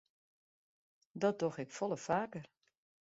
Dat doch ik folle faker.